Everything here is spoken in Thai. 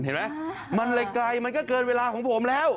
เห็นไหมมันเลยไกลมันก็เกินเวลาของผมแล้ว